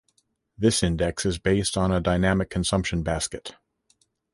This index is based on a dynamic consumption basket.